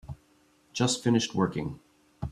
Just finished working.